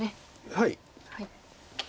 はい。